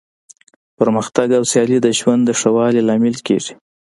پرمختګ او سیالي د ژوند د ښه والي لامل کیږي.